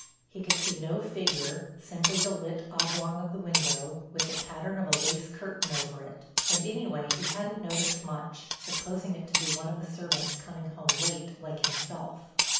He could see no figure, simply the lit oblong of the window, with the pattern of a lace curtain over it, and anyway he hadn't noticed much, supposing it to be one of the servants coming home late like himself.